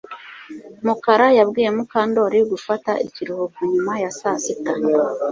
Mukara yabwiye Mukandoli gufata ikiruhuko nyuma ya saa sita